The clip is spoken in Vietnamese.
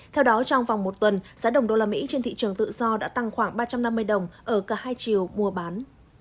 theo đó trong vòng một tuần giá đồng đô la mỹ trên thị trường tự do đã tăng khoảng ba trăm năm mươi đồng ở cả hai chiều mua bán